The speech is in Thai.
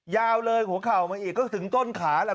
ยาวเลยหัวเข่ามาอีกก็ถึงต้นขาแหละ